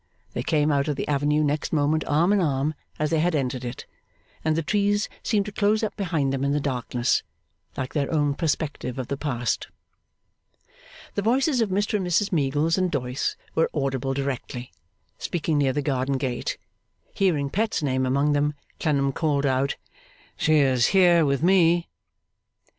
They came out of the avenue next moment, arm in arm as they had entered it: and the trees seemed to close up behind them in the darkness, like their own perspective of the past. The voices of Mr and Mrs Meagles and Doyce were audible directly, speaking near the garden gate. Hearing Pet's name among them, Clennam called out, 'She is here, with me.